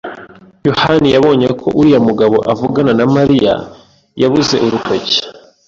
yohani yabonye ko uriya mugabo uvugana na Mariya yabuze urutoki.